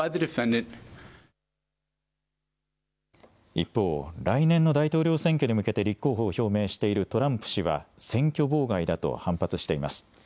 一方、来年の大統領選挙に向けて立候補を表明しているトランプ氏は、選挙妨害だと反発しています。